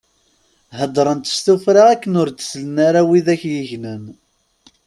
Heddṛent s tuffra akken ur d-sellen ara widak i yegnen.